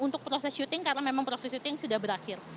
untuk proses syuting karena memang proses syuting sudah berakhir